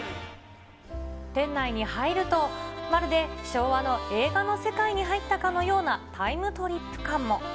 店内に入ると、まるで昭和の映画の世界に入ったかのようなタイムトリップ感も。